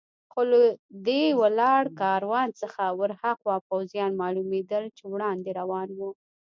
خو له دې ولاړ کاروان څخه ور هاخوا پوځیان معلومېدل چې وړاندې روان و.